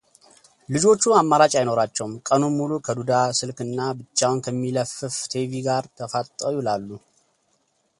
ልጆቹ አማራጭ አይኖራቸውም ቀኑን ሙሉ ከዱዳ ስልክ እና ብቻውን ከሚለፍፍ ቲቪ ጋር ተፋጠው ይውላሉ።